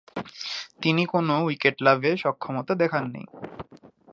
তিনি কোন উইকেট লাভে সক্ষমতা দেখাননি।